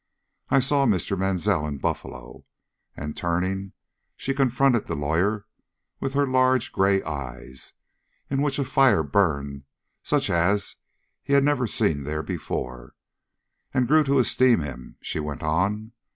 I saw Mr. Mansell in Buffalo, and " turning, she confronted the lawyer with her large gray eyes, in which a fire burned such as he had never seen there before "and grew to esteem him," she went on.